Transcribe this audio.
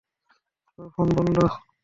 তার ফোন বন্ধ।